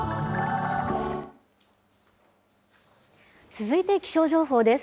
続いて気象情報です。